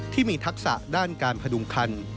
ที่มีทักษะด้านการพดุงคัน